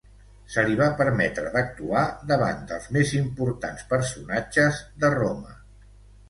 Se li va permetre d'actuar davant dels més importants personatges de Roma.